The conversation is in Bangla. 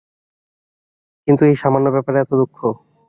কিন্তু এই সামান্য ব্যাপারে এত দুঃখ!